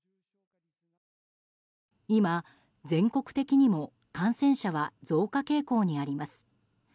今、全国的にも感染者は増加傾向にあります。